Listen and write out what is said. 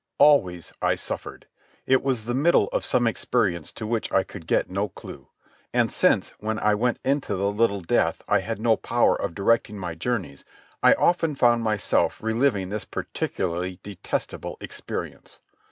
Always I suffered. It was the middle of some experience to which I could get no clue. And since, when I went into the little death I had no power of directing my journeys, I often found myself reliving this particularly detestable experience.